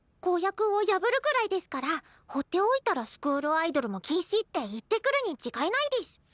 公約を破るくらいですからほっておいたらスクールアイドルも禁止って言ってくるにちがいないデス。